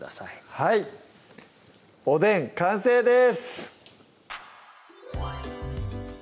はい「おでん」完成です